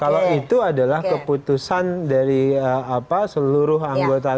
kalau itu adalah keputusan dari seluruh anggota